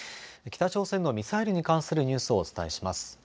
北朝鮮のミサイルに関するニュースをお伝えします。